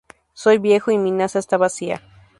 Soy viejo y mi nasa está vacía.